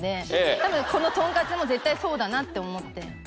多分このトンカツも絶対そうだなって思って。